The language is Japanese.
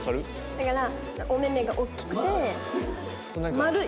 だからお目々がおっきくて丸い。